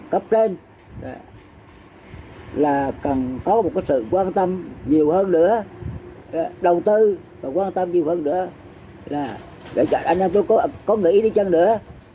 cấp trên là cần có một sự quan tâm nhiều hơn nữa đầu tư và quan tâm nhiều hơn nữa là để cho anh em tôi có nghỉ đi chăng nữa